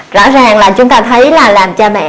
rõ ràng là chúng ta thấy là làm cha mẹ